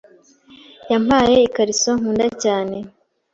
Yampaye ikariso nkunda cyane.